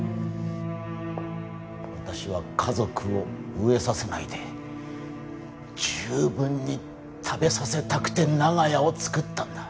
私は家族を飢えさせないで十分に食べさせたくて長屋を作ったんだ。